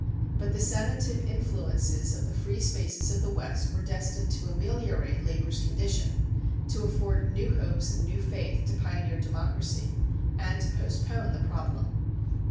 But the sanative influences of the free spaces of the West were destined to ameliorate labor's condition, to afford new hopes and new faith to pioneer democracy, and to postpone the problem.